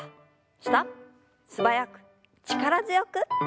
素早く力強く。